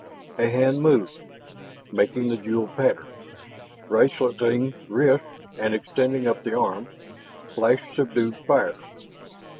A hand moved, making the jeweled pattern braceleting wrist and extending up the arm flash subdued fire.